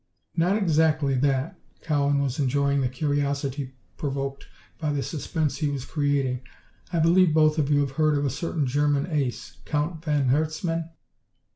"Not exactly that." Cowan was enjoying the curiosity provoked by the suspense he was creating. "I believe both of you have heard of a certain German ace, Count von Herzmann?"